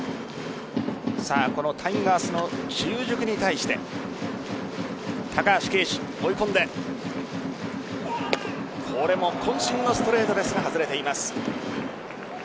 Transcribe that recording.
このタイガースの中軸に対して高橋奎二、追い込んでこれも渾身のストレートですが外れています。